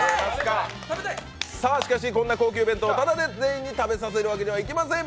しかし、こんな高級弁当、タダで全員に食べさせるわけにはいきません。